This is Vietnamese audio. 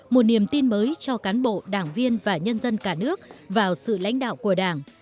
một niềm tin mới cho cán bộ đảng viên và nhân dân cả nước vào sự lãnh đạo của đảng